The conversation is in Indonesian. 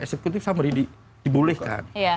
eksekutif summary dibolehkan